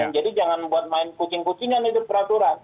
jadi jangan buat main kucing kucingan itu peraturan